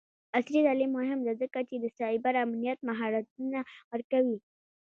عصري تعلیم مهم دی ځکه چې د سایبر امنیت مهارتونه ورکوي.